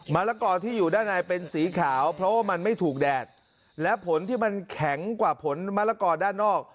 ละกอที่อยู่ด้านในเป็นสีขาวเพราะว่ามันไม่ถูกแดดและผลที่มันแข็งกว่าผลมะละกอด้านนอก